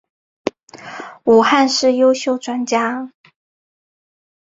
武汉市优秀专家。